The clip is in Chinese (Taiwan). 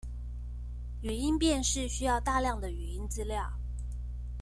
語音辨識需要大量的語音資料